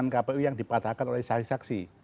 kpu yang dipatahkan oleh saksi saksi